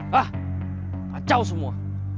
hah kacau semua